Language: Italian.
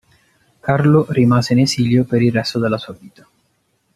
Carlo rimase in esilio per il resto della sua vita.